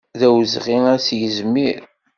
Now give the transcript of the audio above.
D awezɣi ad s-yizmir.